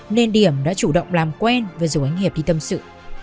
nên điểm đã chủ động làm quen và rủ anh hiệp đi tâm sự